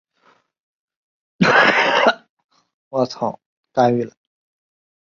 新思科技股份有限公司是一家从事电子设计自动化软件开发的公司。